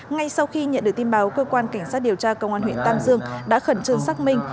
ngay sau khi nhận được tin báo cơ quan cảnh sát điều tra công an huyện tam dương đã khẩn trương xác minh